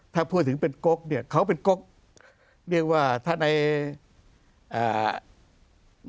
ถ้าพูดถึงเป็นก๊กเนี่ยเขาเป็นก๊กเรียกว่าถ้าในอ่า